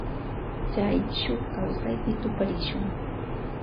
Chay shuk kawsaypi tuparishun.